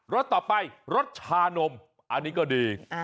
สต่อไปรสชานมอันนี้ก็ดี